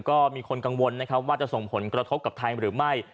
ก็มีคนกังวลนะครับว่าจะส่งผลกระทบกับไทยหรือไม่